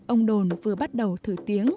ông đồn vừa bắt đầu thử tiếng